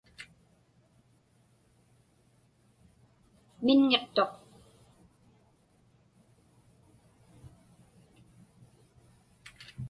Minŋiqtuq.